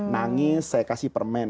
nangis saya kasih permen